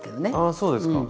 あそうですか。